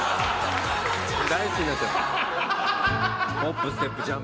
大好きになっちゃった。